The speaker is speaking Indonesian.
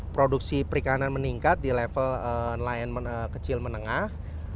produksi perikanan meningkat di level nelayan kecil menengah